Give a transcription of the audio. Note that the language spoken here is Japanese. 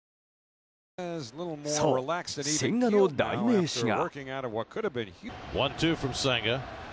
そう、千賀の代名詞が。